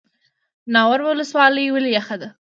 ناور ولسوالۍ ولې یخه ده؟